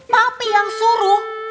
papi yang suruh